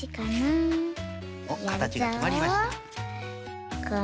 おっかたちがきまりました。